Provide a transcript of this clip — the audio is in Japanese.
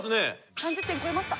３０点超えました。